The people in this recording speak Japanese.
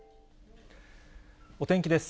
お天気です。